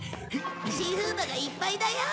シーフードがいっぱいだよ。